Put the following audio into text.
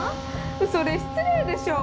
それ失礼でしょ！